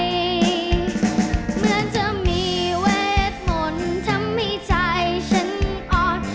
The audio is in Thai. เหมือนจะมีเวทมนต์ทำให้ใจฉันอ่อน